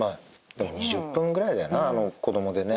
でも２０分ぐらいだよな子どもでね。